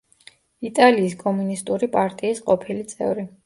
იტალიის კომუნისტური პარტიის ყოფილი წევრი.